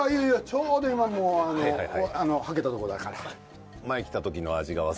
ちょうど今はけたところだから。